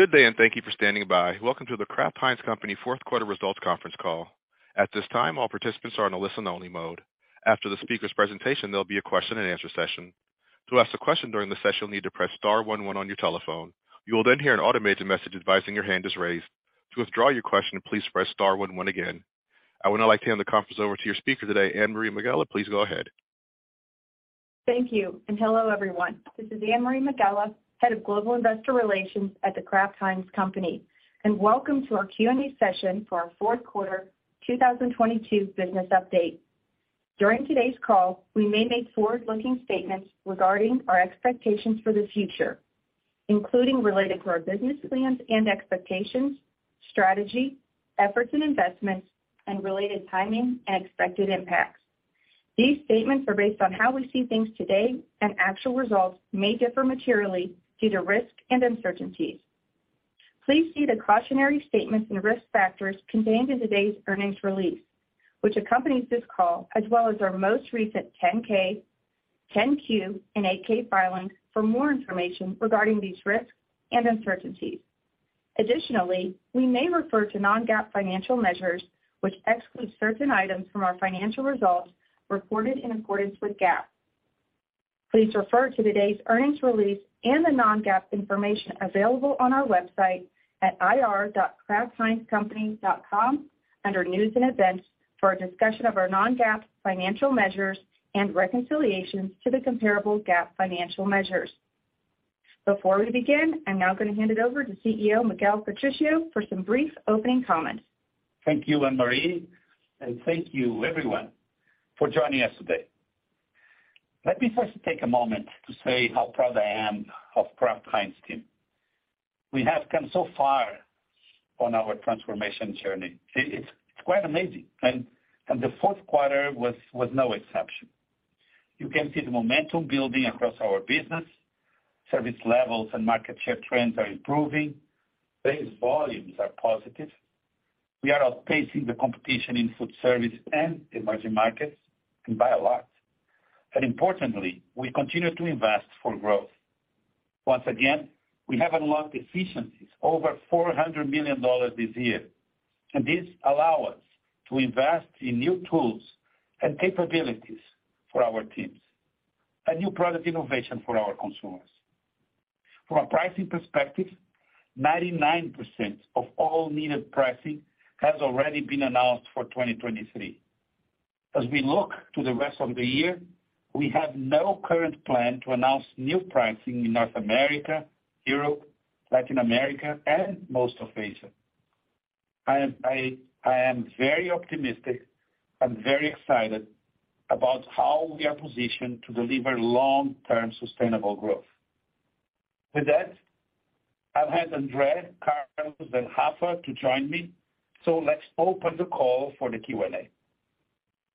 Good day, and thank you for standing by. Welcome to The Kraft Heinz Company fourth quarter results conference call. At this time, all participants are in a listen only mode. After the speaker's presentation, there'll be a question and answer session. To ask a question during the session, you'll need to press star one one on your telephone. You will then hear an automated message advising your hand is raised. To withdraw your question, please press star one one again. I would now like to hand the conference over to your speaker today, Anne-Marie Megela. Please go ahead. Thank you, and hello, everyone. This is Anne-Marie Megela, head of Global Investor Relations at The Kraft Heinz Company, and welcome to our Q&A session for our fourth quarter 2022 business update. During today's call, we may make forward-looking statements regarding our expectations for the future, including related to our business plans and expectations, strategy, efforts and investments, and related timing and expected impacts. These statements are based on how we see things today, and actual results may differ materially due to risk and uncertainties. Please see the cautionary statements and risk factors contained in today's earnings release, which accompanies this call, as well as our most recent 10-K, 10-Q, and 8-K filings for more information regarding these risks and uncertainties. Additionally, we may refer to non-GAAP financial measures which exclude certain items from our financial results reported in accordance with GAAP. Please refer to today's earnings release and the non-GAAP information available on our website at ir.kraftheinzcompany.com under news and events for a discussion of our non-GAAP financial measures and reconciliations to the comparable GAAP financial measures. Before we begin, I'm now gonna hand it over to CEO Miguel Patricio for some brief opening comments. Thank you, Anne-Marie, and thank you everyone for joining us today. Let me first take a moment to say how proud I am of Kraft Heinz team. We have come so far on our transformation journey. It's quite amazing. The fourth quarter was no exception. You can see the momentum building across our business. Service levels and market share trends are improving. Base volumes are positive. We are outpacing the competition in food service and emerging markets and by a lot. Importantly, we continue to invest for growth. Once again, we have unlocked efficiencies over $400 million this year, and these allow us to invest in new tools and capabilities for our teams and new product innovation for our consumers. From a pricing perspective, 99% of all needed pricing has already been announced for 2023. As we look to the rest of the year, we have no current plan to announce new pricing in North America, Europe, Latin America, and most of Asia. I am very optimistic and very excited about how we are positioned to deliver long-term sustainable growth. With that, I'll ask Andre, Carlos, and Rafael to join me. Let's open the call for the Q&A.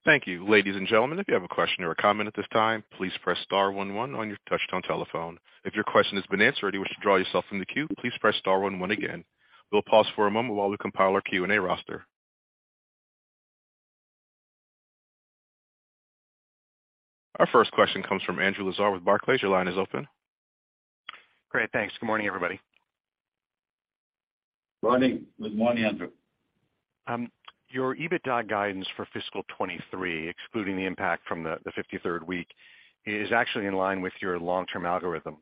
Thank you. Ladies and gentlemen, if you have a question or a comment at this time, please press star one one on your touchtone telephone. If your question has been answered and you wish to draw yourself from the queue, please press star one one again. We'll pause for a moment while we compile our Q&A roster. Our first question comes from Andrew Lazar with Barclays. Your line is open. Great. Thanks. Good morning, everybody. Morning. Good morning, Andrew. Your EBITDA guidance for fiscal 2023, excluding the impact from the 53rd week, is actually in line with your long-term algorithm.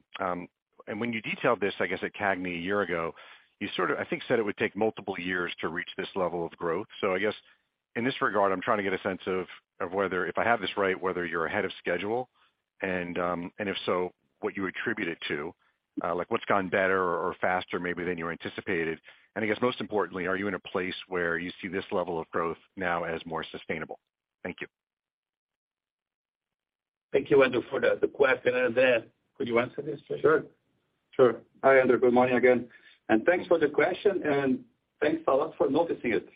When you detailed this, I guess, at CAGNY a year ago, you sort of I think said it would take multiple years to reach this level of growth. I guess in this regard, I'm trying to get a sense of whether, if I have this right, whether you're ahead of schedule and if so, what you attribute it to, like what's gone better or faster maybe than you anticipated. I guess most importantly, are you in a place where you see this level of growth now as more sustainable? Thank you. Thank you, Andrew, for the question. Andre, could you answer this, please? Sure. Sure. Hi, Andrew. Good morning again, and thanks for the question, and thanks a lot for noticing it.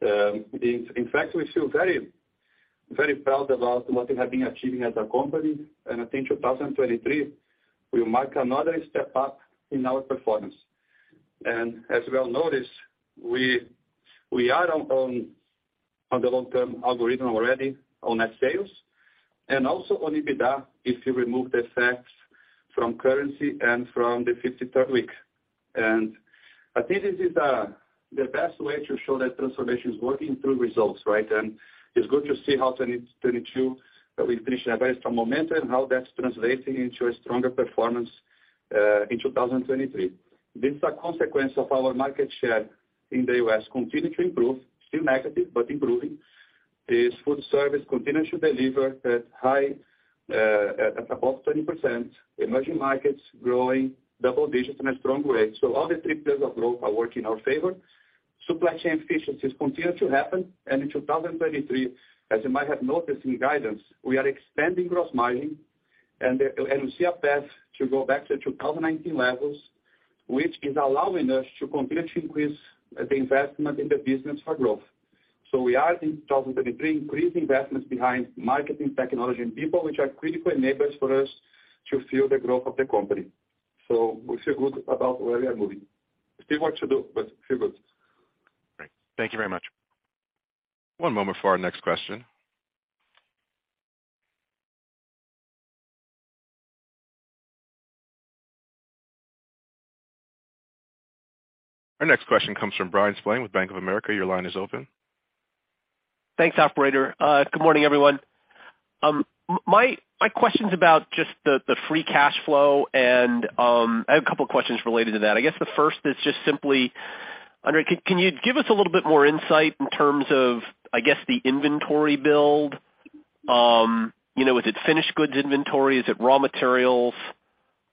In fact, we feel very, very proud about what we have been achieving as a company. I think 2023 will mark another step up in our performance. As you well notice, we are on the long-term algorithm already on net sales and also on EBITDA if you remove the effects from currency and from the 53rd week. I think this is the best way to show that transformation is working through results, right? It's good to see how 2022 we finished a very strong momentum, how that's translating into a stronger performance in 2023. This is a consequence of our market share in the U.S. continued to improve, still negative, but improving. This food service continues to deliver at above 20%, emerging markets growing double digits and a strong rate. All the three pillars of growth are working in our favor. Supply chain efficiencies continue to happen. In 2023, as you might have noticed in guidance, we are expanding gross margin and we see a path to go back to 2019 levels, which is allowing us to continue to increase the investment in the business for growth. We are in 2023 increasing investments behind marketing, technology, and people, which are critical enablers for us to fuel the growth of the company. We feel good about where we are moving. We see what to do, but feel good. Great. Thank you very much. One moment for our next question. Our next question comes from Bryan Spillane with Bank of America. Your line is open. Thanks, operator. Good morning, everyone. My question's about just the free cash flow and I have a couple of questions related to that. I guess the first is just simply, Andre, can you give us a little bit more insight in terms of, I guess, the inventory build? You know, is it finished goods inventory? Is it raw materials?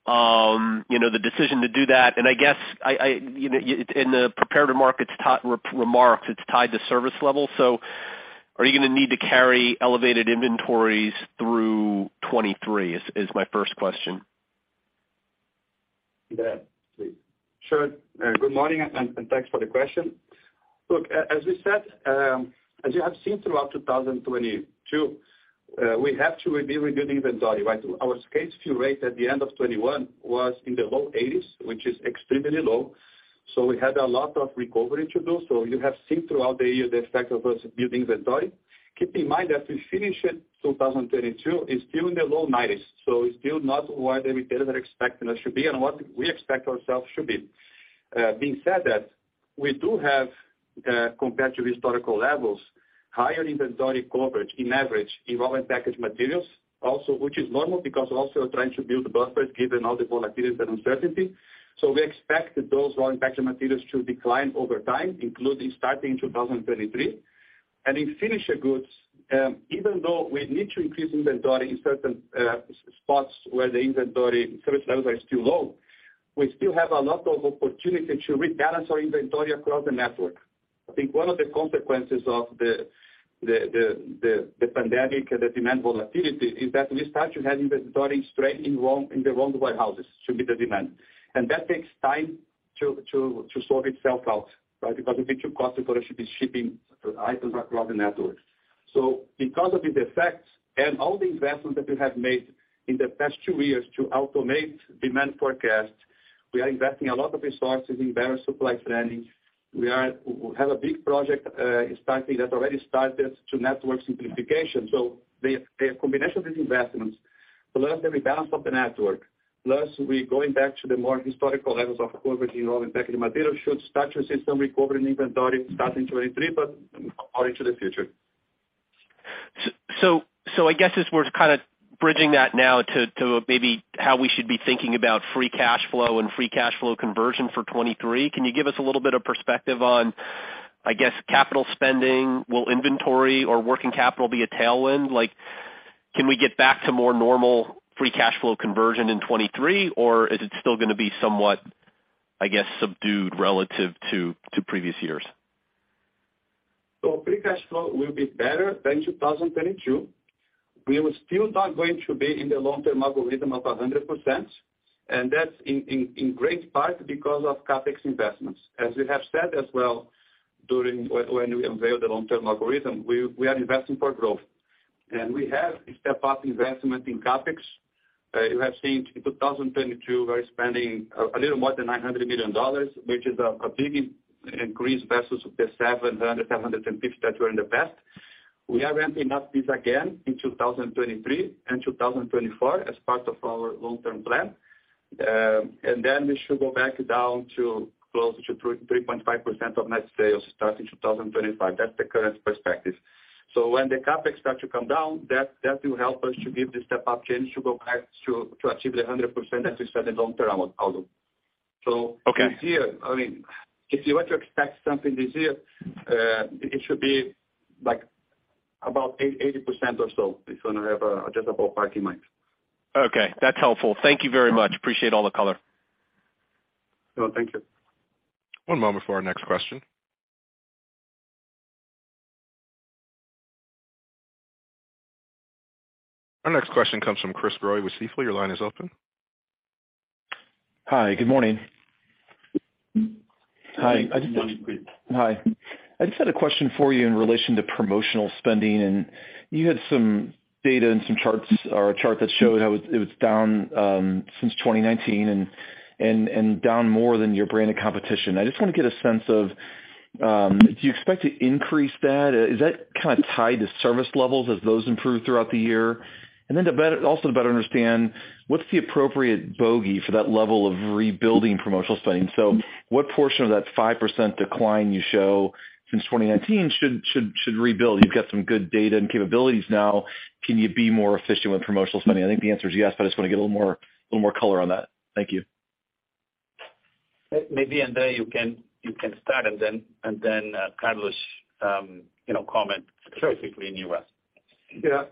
You know, the decision to do that, and I guess, you know, in the prepared remarks, it's tied to service levels. Are you gonna need to carry elevated inventories through 2023 is my first question. Yeah, please. Sure. Good morning and thanks for the question. Look, as we said, as you have seen throughout 2022, we have to be rebuilding inventory, right? Our case fill rate at the end of 2021 was in the low 80s, which is extremely low. We had a lot of recovery to do. You have seen throughout the year the effect of us building inventory. Keep in mind, as we finish it, 2022 is still in the low 90s, it's still not what the retailers are expecting it should be and what we expect ourselves should be. Being said that, we do have, compared to historical levels, higher inventory coverage in average in raw materials also, which is normal because also trying to build buffers given all the volatility and uncertainty. We expect those raw materials to decline over time, including starting 2023. In finished goods, even though we need to increase inventory in certain spots where the inventory service levels are still low, we still have a lot of opportunity to rebalance our inventory across the network. I think one of the consequences of the pandemic and the demand volatility is that we started having inventory straight in wrong, in the wrong warehouses to meet the demand. That takes time to sort itself out, right? Because it gets too costly for us to be shipping items across the network. Because of the effects and all the investments that we have made in the past two years to automate demand forecast, we are investing a lot of resources in better supply planning. We have a big project, starting, that already started to network simplification. The combination of these investments, plus the rebalance of the network, plus we're going back to the more historical levels of coverage in raw and packaging material should start to see some recovery in inventory starting 2023, but more into the future. I guess as we're kind of bridging that now to maybe how we should be thinking about free cash flow and free cash flow conversion for 2023, can you give us a little bit of perspective on, I guess, capital spending? Will inventory or working capital be a tailwind? Like, can we get back to more normal free cash flow conversion in 2023, or is it still gonna be somewhat, I guess, subdued relative to previous years? Free cash flow will be better than 2022. We are still not going to be in the long term algorithm of 100%, and that's in great part because of CapEx investments. As we have said as well when we unveiled the long-term algorithm, we are investing for growth. We have a step up investment in CapEx. You have seen in 2022, we're spending a little more than $900 million, which is a big increase versus the $700 million, $750 million that were in the past. We are ramping up this again in 2023 and 2024 as part of our long-term plan. Then we should go back down to closer to 3.5% of net sales starting 2025. That's the current perspective. When the CapEx starts to come down, that will help us to give the step up change to go back to achieve the 100% as we said in long-term outlook. Okay. This year, I mean, if you were to expect something this year, it should be, like, about 80% or so if we're gonna have a adjustable parking mind. Okay, that's helpful. Thank you very much. Appreciate all the color. You know, thank you. One moment for our next question. Our next question comes from Chris O'Cull with Stifel. Your line is open. Hi, good morning. Hi. Hi. I just had a question for you in relation to promotional spending, and you had some data and some charts or a chart that showed how it was down since 2019 and down more than your brand of competition. I just want to get a sense of, do you expect to increase that? Is that kind of tied to service levels as those improve throughout the year? Also to better understand, what's the appropriate bogey for that level of rebuilding promotional spending? What portion of that 5% decline you show since 2019 should rebuild? You've got some good data and capabilities now. Can you be more efficient with promotional spending? I think the answer is yes, but I just want to get a little more color on that. Thank you. Maybe, Andre, you can start, and then, Carlos, you know, comment specifically in U.S. Yeah.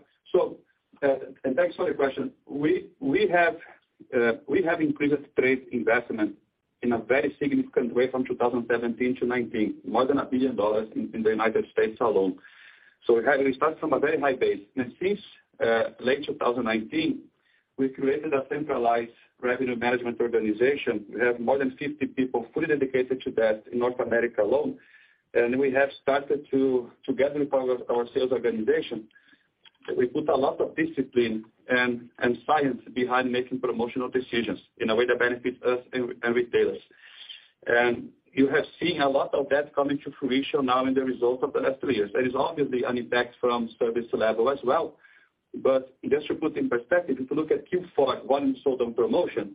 Thanks for your question. We have increased trade investment in a very significant way from 2017-2019, more than $1 billion in the United States alone. We start from a very high base. Since late 2019, we created a centralized revenue management organization. We have more than 50 people fully dedicated to that in North America alone. We have started to, together with our sales organization, we put a lot of discipline and science behind making promotional decisions in a way that benefits us and retailers. You have seen a lot of that coming to fruition now in the results of the last three years. There is obviously an impact from service level as well. Just to put in perspective, if you look at Q4 one and sold on promotion,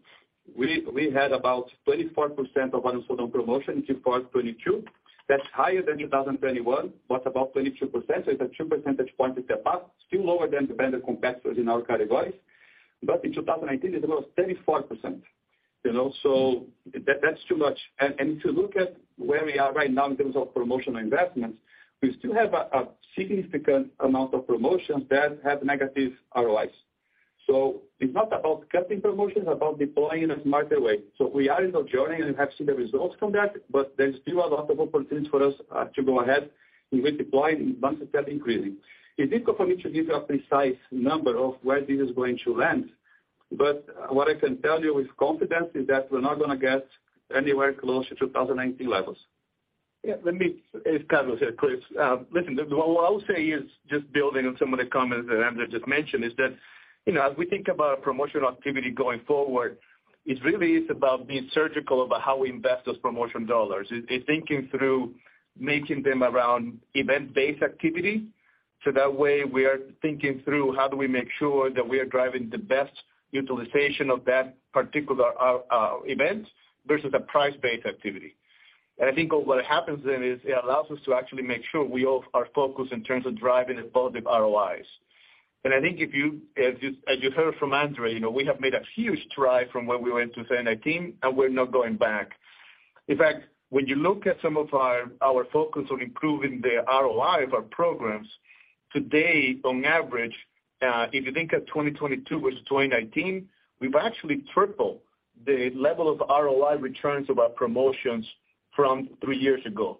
we had about 24% of one and sold on promotion in Q4 2022. That's higher than 2021, but about 22%, so it's a two percentage point step up, still lower than the vendor competitors in our categories. In 2019, it was 34%, you know, so that's too much. If you look at where we are right now in terms of promotional investments, we still have a significant amount of promotions that have negative ROIs. It's not about cutting promotions, it's about deploying in a smarter way. We are in the journey, and you have seen the results from that, but there's still a lot of opportunities for us to go ahead with deploying and basket set increasing. It's difficult for me to give you a precise number of where this is going to land, but what I can tell you with confidence is that we're not gonna get anywhere close to 2019 levels. Yeah, let me. It's Carlos here, please. Listen, what I will say is just building on some of the comments that Andre just mentioned, is that, you know, as we think about promotional activity going forward, it really is about being surgical about how we invest those promotion dollars. It thinking through making them around event-based activity, so that way we are thinking through how do we make sure that we are driving the best utilization of that particular event versus a price-based activity. I think what happens then is it allows us to actually make sure we all are focused in terms of driving positive ROIs. I think as you heard from Andre, you know, we have made a huge stride from where we were in 2019, and we're not going back. In fact, when you look at some of our focus on improving the ROI of our programs, today on average, if you think of 2022 versus 2019, we've actually tripled the level of ROI returns of our promotions from three years ago.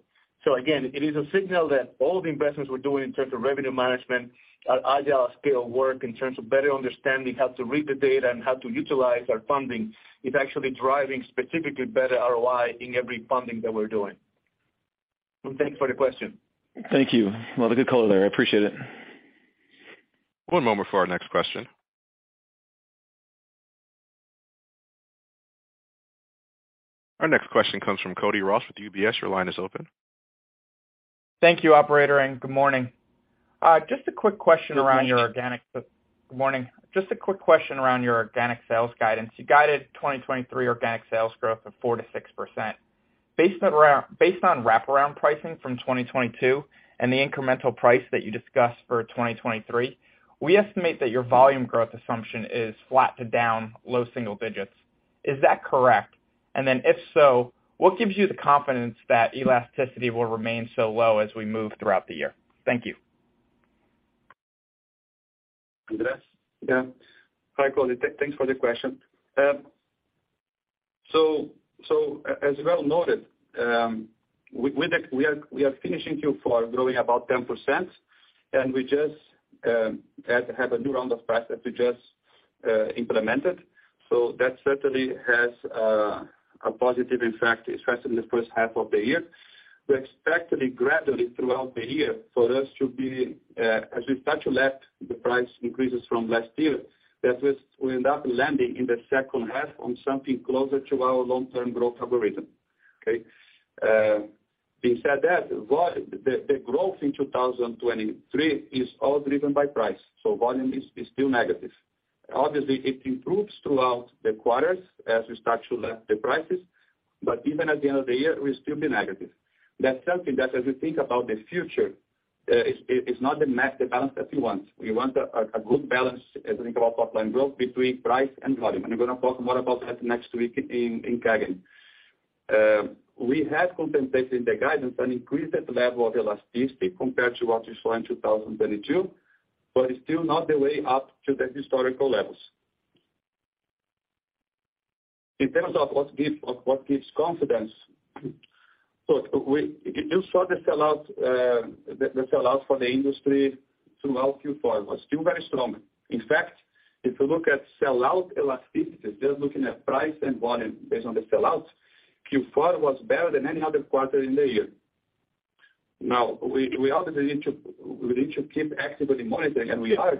Again, it is a signal that all the investments we're doing in terms of revenue management, our agile still work in terms of better understanding how to read the data and how to utilize our funding is actually driving specifically better ROI in every funding that we're doing. Thanks for the question. Thank you. A lot of good color there. I appreciate it. One moment for our next question. Our next question comes from Cody Ross with UBS. Your line is open. Thank you, operator, and good morning. Just a quick question around your organic- Good morning. Good morning. Just a quick question around your organic sales guidance. You guided 2023 organic sales growth of 4%-6%. Based on wraparound pricing from 2022 and the incremental price that you discussed for 2023, we estimate that your volume growth assumption is flat to down low single digits. Is that correct? If so, what gives you the confidence that elasticity will remain so low as we move throughout the year? Thank you. Andre? Yeah. Hi, Cody. Thanks for the question. As well noted, with the We are finishing Q4 growing about 10%, we just have a new round of prices we just implemented. That certainly has a positive effect, especially in the first half of the year. We expect it gradually throughout the year for us to be as we start to lap the price increases from last year, that we end up landing in the second half on something closer to our long-term growth algorithm. Okay? Being said that, the growth in 2023 is all driven by price, volume is still negative. Obviously, it improves throughout the quarters as we start to lap the prices, even at the end of the year, we'll still be negative. That's something that as we think about the future, it's not the balance that we want. We want a good balance as we think about top line growth between price and volume. I'm gonna talk more about that next week in CAGNY. We have contemplated in the guidance an increased level of elasticity compared to what you saw in 2022. It's still not the way up to the historical levels. In terms of what gives confidence, You saw the sellout, the sellout for the industry throughout Q4 was still very strong. In fact, if you look at sellout elasticity, just looking at price and volume based on the sellouts, Q4 was better than any other quarter in the year. We obviously need to, we need to keep actively monitoring, and we are,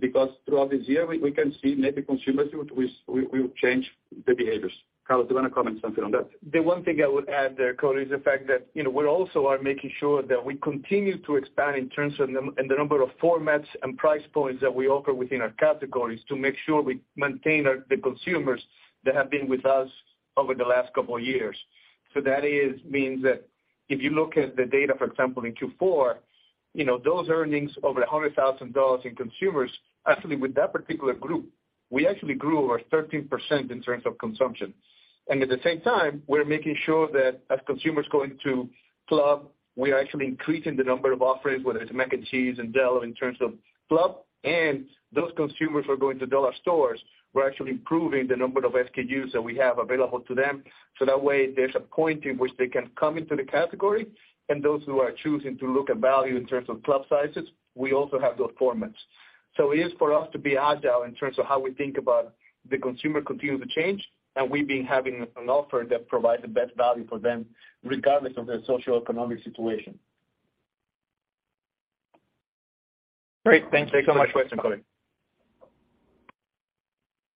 because throughout this year, we can see maybe consumers will change the behaviors. Carlos, do you want to comment something on that? The one thing I would add there, Cody, is the fact that, you know, we also are making sure that we continue to expand in terms of in the number of formats and price points that we offer within our categories to make sure we maintain the consumers that have been with us over the last couple of years. So that is means that if you look at the data, for example, in Q4, you know, those earnings over $100,000 in consumers, actually with that particular group, we actually grew over 13% in terms of consumption. At the same time, we're making sure that as consumers go into club, we are actually increasing the number of offerings, whether it's Mac & Cheese and JELL-O in terms of club, and those consumers who are going to dollar stores, we're actually improving the number of SKUs that we have available to them, so that way there's a point in which they can come into the category, and those who are choosing to look at value in terms of club sizes, we also have those formats. It is for us to be agile in terms of how we think about the consumer continues to change, and we've been having an offer that provides the best value for them regardless of their socioeconomic situation. Great. Thank you so much for the color.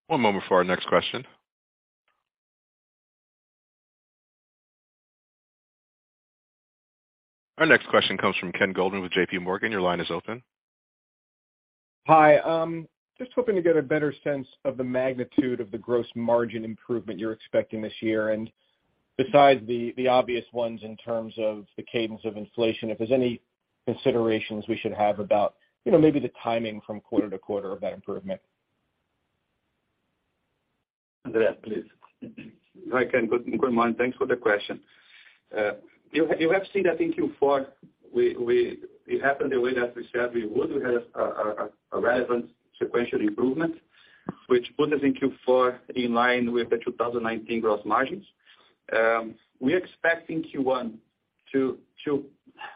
One moment for our next question. Our next question comes from Ken Goldman with JPMorgan. Your line is open. Hi. Just hoping to get a better sense of the magnitude of the gross margin improvement you're expecting this year. Besides the obvious ones in terms of the cadence of inflation, if there's any considerations we should have about, you know, maybe the timing from quarter-to-quarter of that improvement? Andre, please. Hi, Ken Goldman, thanks for the question. You have seen that in Q4, we, it happened the way that we said we would. We had a relevant sequential improvement, which put us in Q4 in line with the 2019 gross margins. We expect in Q1 to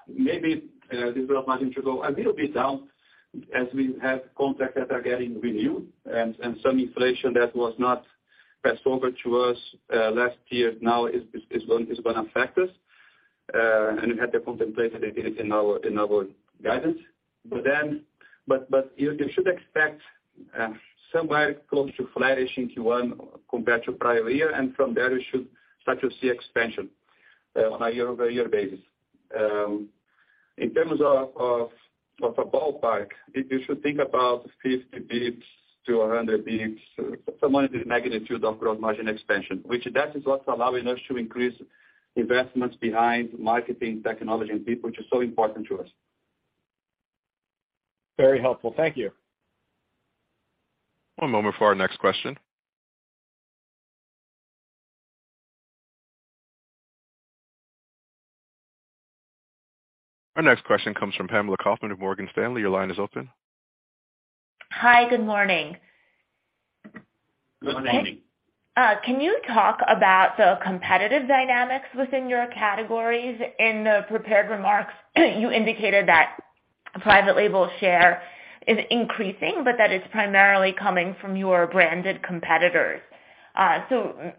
maybe this gross margin to go a little bit down as we have contracts that are getting renewed and some inflation that was not passed over to us, last year now is gonna affect us. We had to contemplate it in our, in our guidance. You should expect somewhere close to flattish in Q1 compared to prior year, and from there it should start to see expansion on a year-over-year basis. In terms of a ballpark, you should think about 50 bps-100 bps, somewhere in the magnitude of gross margin expansion, which that is what's allowing us to increase investments behind marketing, technology and people, which is so important to us. Very helpful. Thank you. One moment for our next question. Our next question comes from Pamela Kaufman of Morgan Stanley. Your line is open. Hi. Good morning. Good morning. Can you talk about the competitive dynamics within your categories? In the prepared remarks, you indicated that private label share is increasing, but that is primarily coming from your branded competitors.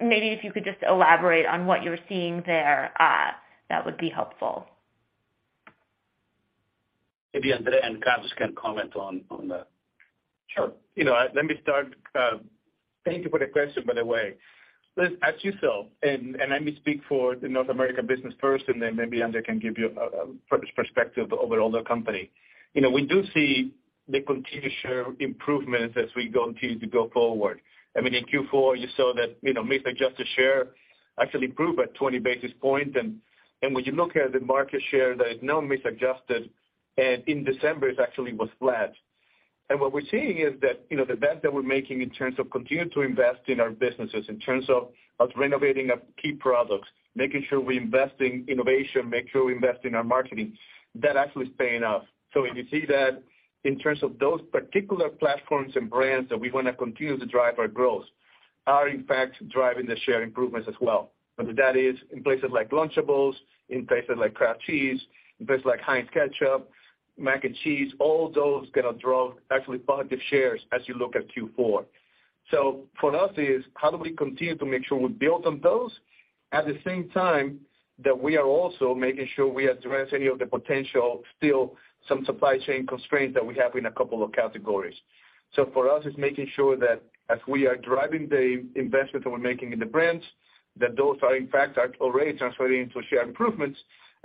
Maybe if you could just elaborate on what you're seeing there, that would be helpful. Maybe Andre and Carlos can comment on that. Sure. You know, let me start. Thank you for the question, by the way. Listen, as you saw, let me speak for the North America business first, and then maybe Andre can give you perspective over all the company. You know, we do see the continued share improvements as we continue to go forward. I mean, in Q4, you saw that, you know, mix-adjusted share actually improved by 20 basis points. When you look at the market share that is now mix-adjusted, in December, it actually was flat. What we're seeing is that, you know, the bet that we're making in terms of continuing to invest in our businesses, in terms of renovating our key products, making sure we invest in innovation, make sure we invest in our marketing, that actually is paying off. When you see that in terms of those particular platforms and brands that we wanna continue to drive our growth, are in fact driving the share improvements as well. Whether that is in places like Lunchables, in places like Kraft Cheese, in places like Heinz Ketchup, Mac & Cheese, all those gonna drive actually positive shares as you look at Q4. For us is how do we continue to make sure we build on those at the same time that we are also making sure we address any of the potential, still some supply chain constraints that we have in a couple of categories. For us, it's making sure that as we are driving the investments that we're making in the brands, that those are in fact are already translating to share improvements.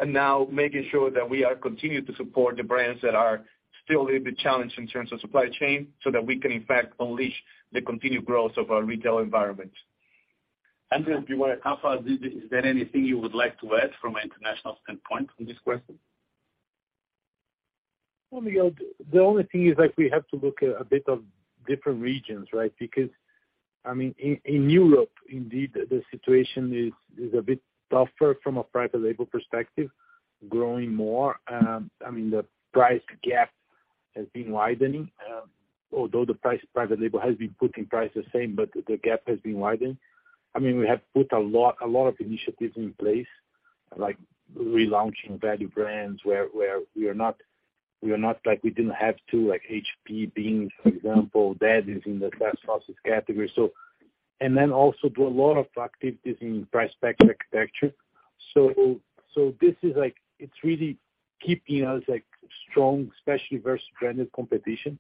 Now making sure that we are continuing to support the brands that are still a little bit challenged in terms of supply chain, so that we can in fact unleash the continued growth of our retail environment. Andre, do you want to talk about this? Is there anything you would like to add from an international standpoint on this question? Well, the only thing is that we have to look a bit of different regions, right? I mean, in Europe, indeed, the situation is a bit tougher from a private label perspective, growing more. I mean, the price gap has been widening, although the price private label has been putting prices the same, but the gap has been widened. I mean, we have put a lot of initiatives in place, like relaunching value brands where we are not like we didn't have to like HP Baked Beans, for example, that is in the fast sauces category. Also do a lot of activities in price-pack architecture. This is like it's really keeping us, like, strong, especially versus branded competition.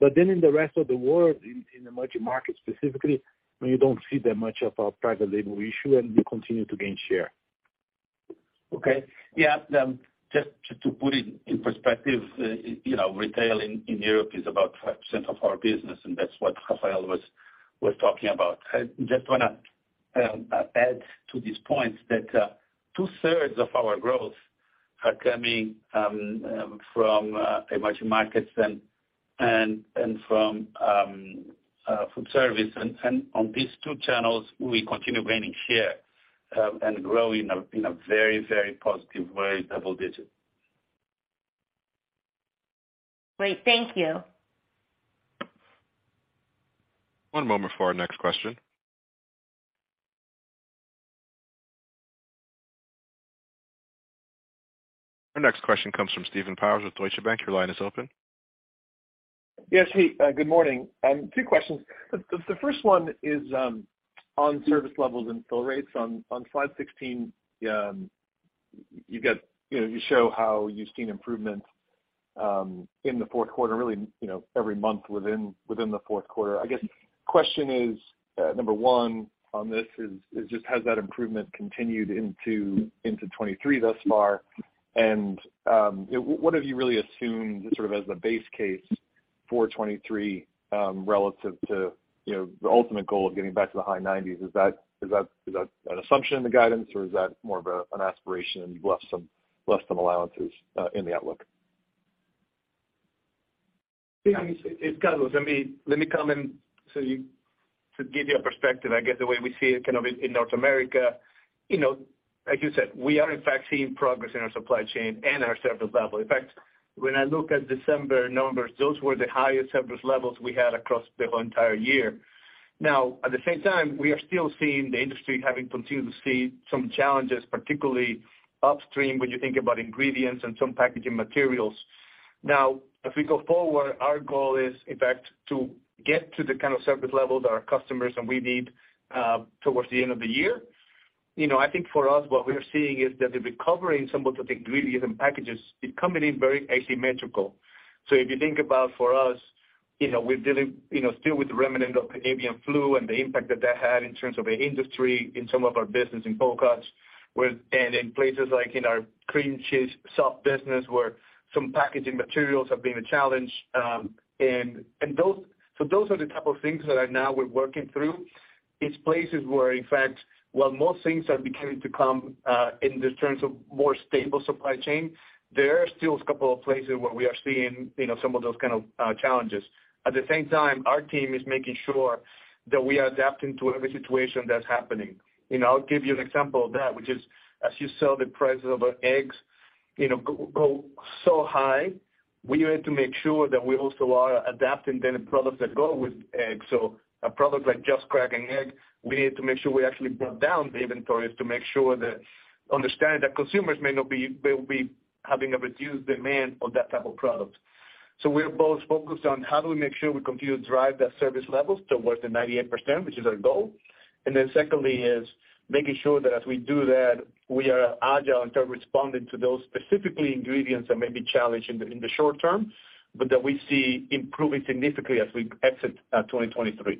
In the rest of the world, in emerging markets specifically, we don't see that much of a private label issue and we continue to gain share. Okay. Yeah. Just to put it in perspective, you know, retail in Europe is about 5% of our business, and that's what Rafael was talking about. I just wanna add to these points that 2/3 of our growth are coming from emerging markets and from food service. On these two channels, we continue gaining share and growing in a very positive way, double digit. Great. Thank you. One moment for our next question. Our next question comes from Steve Powers with Deutsche Bank. Your line is open. Yes. Hey, good morning. two questions. The first one is on service levels and fill rates on slide 16. You got, you know, you show how you've seen improvements in the fourth quarter, really, you know, every month within the fourth quarter. I guess question is, number one on this is just has that improvement continued into 2023 thus far? What have you really assumed sort of as the base case for 2023 relative to, you know, the ultimate goal of getting back to the high 90s? Is that an assumption in the guidance or is that more of an aspiration and you've left some allowances in the outlook? It's Carlos. Let me comment to give you a perspective, I guess the way we see it kind of in North America, you know, like you said, we are in fact seeing progress in our supply chain and our service level. When I look at December numbers, those were the highest service levels we had across the whole entire year. At the same time, we are still seeing the industry having continued to see some challenges, particularly upstream, when you think about ingredients and some packaging materials. As we go forward, our goal is in fact to get to the kind of service levels that our customers and we need towards the end of the year. You know, I think for us, what we are seeing is that the recovery in some of the ingredients and packages is coming in very asymmetrical. If you think about for us, you know, we're dealing, you know, still with the remnant of avian flu and the impact that that had in terms of the industry in some of our business in Pot Pies, and in places like in our cream cheese soft business, where some packaging materials have been a challenge. Those are the type of things that are now we're working through. It's places where in fact, while most things are beginning to come, in the terms of more stable supply chain, there are still a couple of places where we are seeing, you know, some of those kind of challenges. At the same time, our team is making sure that we are adapting to every situation that's happening. You know, I'll give you an example of that, which is, as you saw the price of eggs, you know, go so high, we had to make sure that we also are adapting the products that go with eggs. A product like Just Crack an Egg, we need to make sure we actually brought down the inventories to make sure that understanding that consumers they'll be having a reduced demand on that type of product. We're both focused on how do we make sure we continue to drive that service levels towards the 98%, which is our goal. Secondly is making sure that as we do that, we are agile in terms of responding to those specifically ingredients that may be challenged in the short term, but that we see improving significantly as we exit, 2023.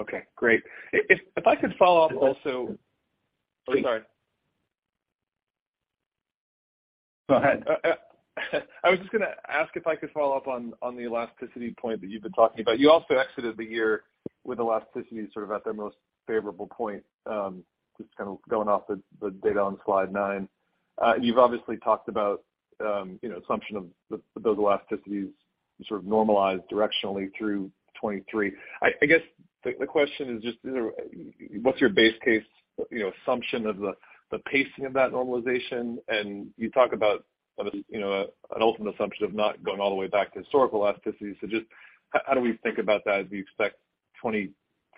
Okay, great. If I could follow up also-. Please. Oh, sorry. Go ahead. I was just gonna ask if I could follow up on the elasticity point that you've been talking about. You also exited the year with elasticities sort of at their most favorable point, just kind of going off the data on slide nine. You've obviously talked about, you know, assumption of those elasticities sort of normalize directionally through 2023. I guess the question is just, you know, what's your base case, you know, assumption of the pacing of that normalization? You talk about, you know, an ultimate assumption of not going all the way back to historical elasticity. Just how do we think about that? Do you expect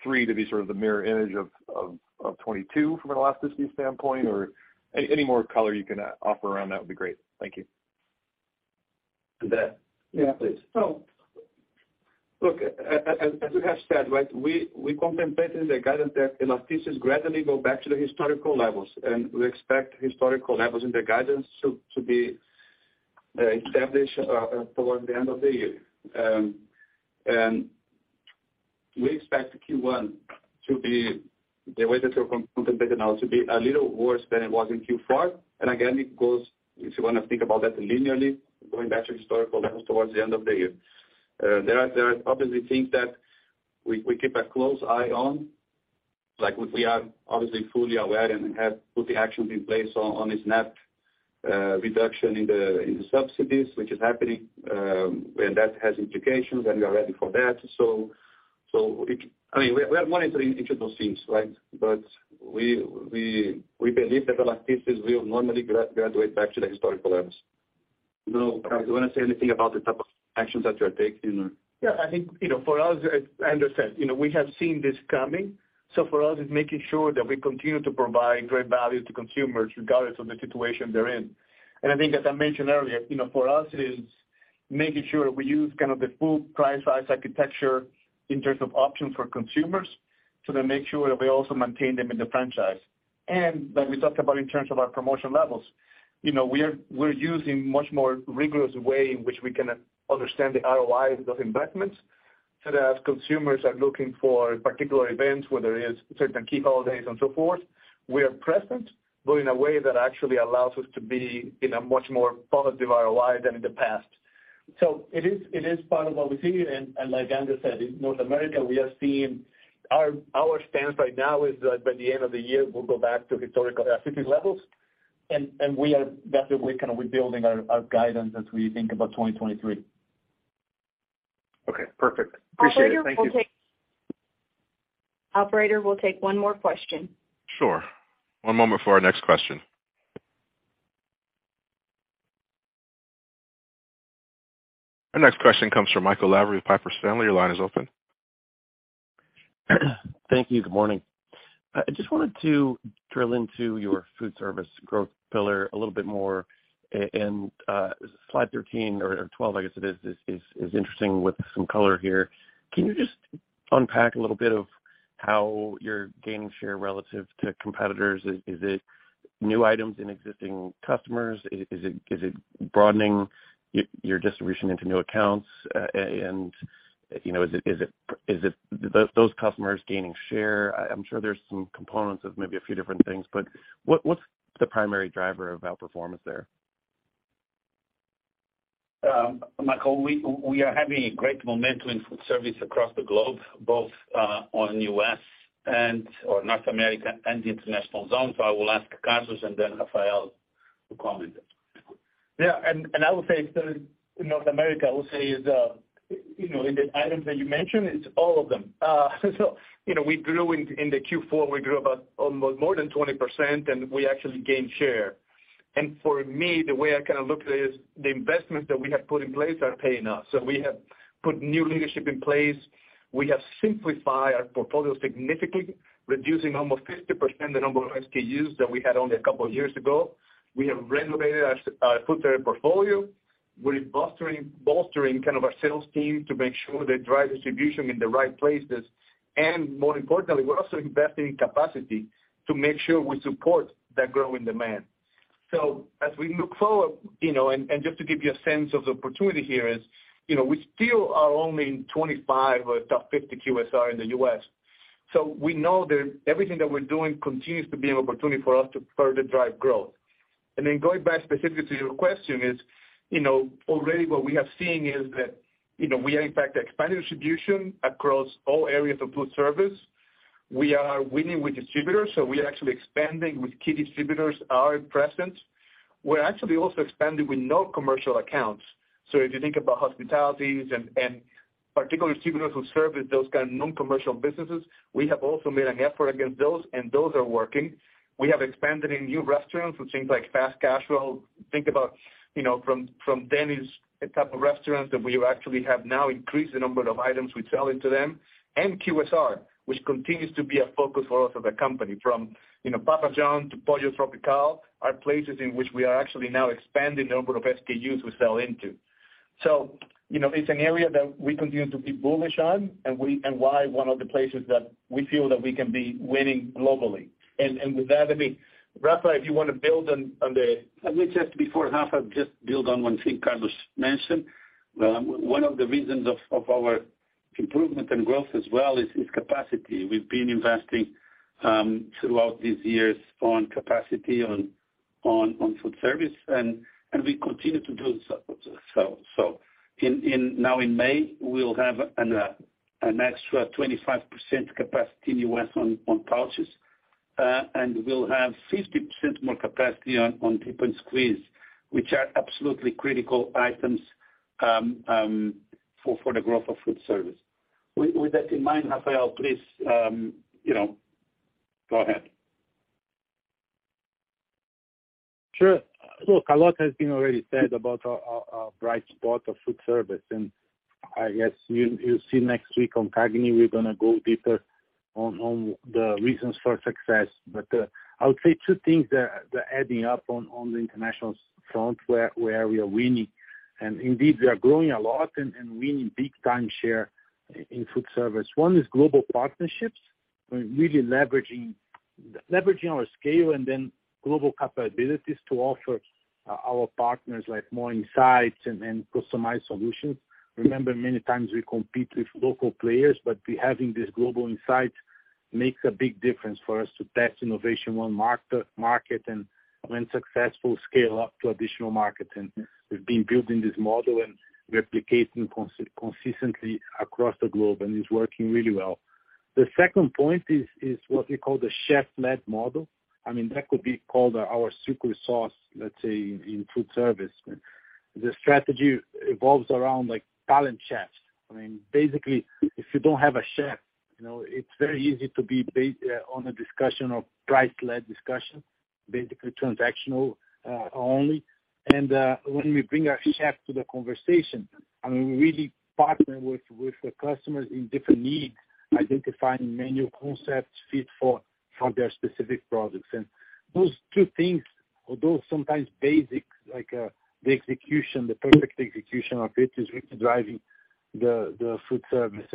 2023 to be sort of the mirror image of 2022 from an elasticity standpoint? Any more color you can offer around that would be great. Thank you. Andre? Yeah. Please. Look, as we have said, right, we contemplated the guidance that elasticities gradually go back to the historical levels, and we expect historical levels in the guidance to be established towards the end of the year. We expect Q1 to be the way that you're contemplated now to be a little worse than it was in Q4. Again, it goes, if you want to think about that linearly, going back to historical levels towards the end of the year. There are obviously things that we keep a close eye on. Like we are obviously fully aware and have put the actions in place on a SNAP reduction in the subsidies, which is happening, and that has implications, and we are ready for that. It... I mean, we are monitoring each of those things, right? We believe that elasticities will normally graduate back to the historical levels. You know, Carlos, do you want to say anything about the type of actions that you're taking or? Yeah, I think, you know, for us, I understand, you know, we have seen this coming. For us, it's making sure that we continue to provide great value to consumers regardless of the situation they're in. I think as I mentioned earlier, you know, for us it is making sure we use kind of the full price-pack architecture in terms of options for consumers to then make sure that we also maintain them in the franchise. Like we talked about in terms of our promotion levels, you know, we're using much more rigorous way in which we can understand the ROI of those investments, so that as consumers are looking for particular events, whether it is certain key holidays and so forth, we are present, but in a way that actually allows us to be in a much more positive ROI than in the past. It is part of what we see. Like Andre said, in North America, we are seeing our stance right now is that by the end of the year, we'll go back to historical elasticity levels. That's the way kind of rebuilding our guidance as we think about 2023. Okay, perfect. Appreciate it. Thank you. Operator, we'll take one more question. Sure. One moment for our next question. Our next question comes from Michael Lavery of Piper Sandler. Your line is open. Thank you. Good morning. I just wanted to drill into your food service growth pillar a little bit more. slide 13 or 12, I guess it is interesting with some color here. Can you just unpack a little bit of how you're gaining share relative to competitors? Is it new items in existing customers? Is it broadening your distribution into new accounts? you know, is it those customers gaining share? I'm sure there's some components of maybe a few different things, but what's the primary driver of outperformance there? Michael, we are having a great momentum in food service across the globe, both, on U.S. or North America and the international zone. I will ask Carlos and then Rafael to comment. Yeah. I would say in North America, I would say is, you know, in the items that you mentioned, it's all of them. You know, we grew in the Q4, we grew about almost more than 20%, and we actually gained share. For me, the way I kind of look at it is the investments that we have put in place are paying off. We have put new leadership in place. We have simplified our portfolio significantly, reducing almost 50% the number of SKUs that we had only a couple of years ago. We have renovated our food service portfolio. We're bolstering kind of our sales team to make sure they drive distribution in the right places. More importantly, we're also investing in capacity to make sure we support that growing demand. As we look forward, you know, and just to give you a sense of the opportunity here is, you know, we still are only in 25 of the top 50 QSR in the U.S. We know that everything that we're doing continues to be an opportunity for us to further drive growth. Then going back specifically to your question is, you know, already what we have seen is that, you know, we are in fact expanding distribution across all areas of food service. We are winning with distributors, so we are actually expanding with key distributors our presence. We're actually also expanding with no commercial accounts. If you think about hospitalities and particular distributors who serve with those kind of non-commercial businesses, we have also made an effort against those, and those are working. We have expanded in new restaurants with things like fast casual. Think about, you know, from Denny's type of restaurants that we actually have now increased the number of items we sell into them. QSR, which continues to be a focus for us as a company from, you know, Papa John's to Pollo Tropical, are places in which we are actually now expanding the number of SKUs we sell into. So, you know, it's an area that we continue to be bullish on and we and why one of the places that we feel that we can be winning globally. With that, I mean, Rafael, if you want to build on the. Let me just before Rafael just build on one thing Carlos mentioned. One of the reasons of our improvement and growth as well is capacity. We've been investing throughout these years on capacity on food service, and we continue to do so. Now in May, we'll have an extra 25% capacity in U.S. on pouches, and we'll have 50% more capacity on Tip 'n' Squeeze, which are absolutely critical items for the growth of food service. With that in mind, Rafael, please, you know, go ahead. Sure. Look, a lot has been already said about our bright spot of food service, and I guess you'll see next week on CAGNY, we're gonna go deeper on the reasons for success. I would say two things that are adding up on the international front where we are winning, and indeed we are growing a lot and winning big time share in food service. One is global partnerships. We're really leveraging our scale and then global capabilities to offer our partners like more insights and customized solutions. Remember, many times we compete with local players, but we having this global insight makes a big difference for us to test innovation on market and when successful scale up to additional market. We've been building this model and replicating consistently across the globe, and it's working really well. The second point is what we call the chef-led model. I mean, that could be called our secret sauce, let's say, in food service. The strategy revolves around like talent chefs. I mean, basically, if you don't have a chef, you know, it's very easy to be based on a discussion of price-led discussion, basically transactional, only. When we bring our chef to the conversation, I mean, we really partner with the customers in different needs, identifying menu concepts fit for their specific products. Those two things, although sometimes basic, like the execution, the perfect execution of it, is really driving the food service.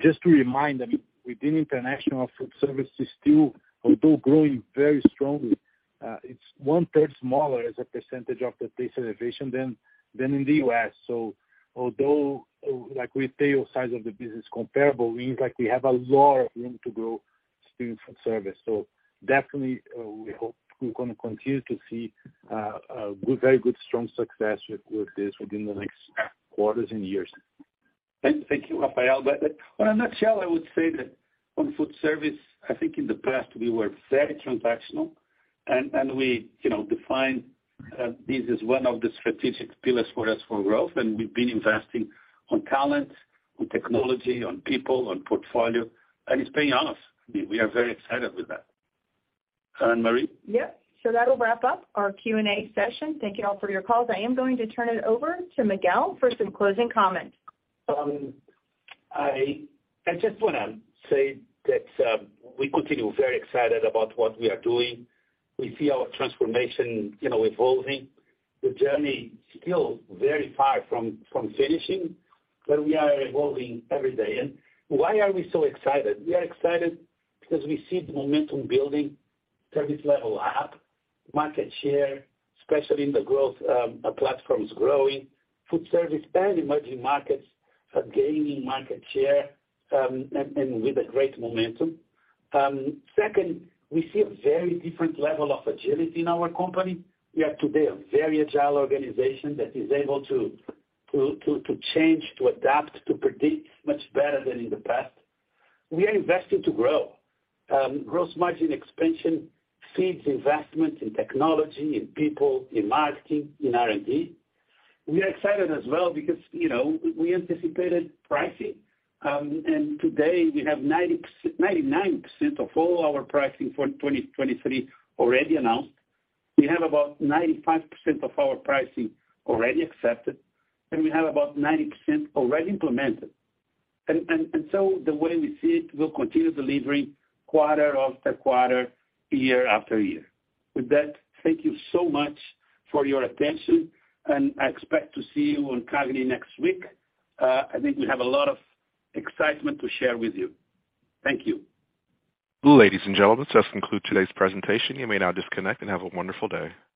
Just to remind them, within international food service is still, although growing very strongly, it's one third smaller as a percentage of the Taste Elevation than in the U.S. Although, like we tail size of the business comparable, means like we have a lot of room to grow still in food service. Definitely, we hope we're gonna continue to see a good, very good strong success with this within the next quarters and years. Thank you, Rafael. In a nutshell, I would say that on food service, I think in the past we were very transactional and we, you know, defined this as one of the strategic pillars for us for growth. We've been investing on talent, on technology, on people, on portfolio, and it's paying off. We are very excited with that. Anne Marie? Yep. That'll wrap up our Q&A session. Thank you all for your calls. I am going to turn it over to Miguel for some closing comments. I just wanna say that we continue very excited about what we are doing. We see our transformation, you know, evolving. The journey still very far from finishing, but we are evolving every day. Why are we so excited? We are excited because we see the momentum building, service level up, market share, especially in the growth, our platforms growing, food service and emerging markets are gaining market share, and with a great momentum. Second, we see a very different level of agility in our company. We are today a very agile organization that is able to change, to adapt, to predict much better than in the past. We are investing to grow. Gross margin expansion feeds investment in technology, in people, in marketing, in R&D. We are excited as well because, you know, we anticipated pricing. Today we have 99% of all our pricing for 2023 already announced. We have about 95% of our pricing already accepted, we have about 90% already implemented. The way we see it, we'll continue delivering quarter-after-quarter, year-after-year. With that, thank you so much for your attention, and I expect to see you on CAGNY next week. I think we have a lot of excitement to share with you. Thank you. Ladies and gentlemen, this does conclude today's presentation. You may now disconnect and have a wonderful day.